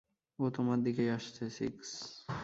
ও তোমার দিকেই আসছে, সিক্স।